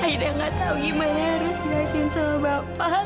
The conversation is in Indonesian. aida gak tau gimana harus ngasihin sama bapak